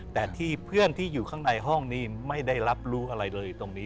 แต่ที่เพื่อนที่อยู่ข้างในห้องนี้ไม่ได้รับรู้อะไรเลยตรงนี้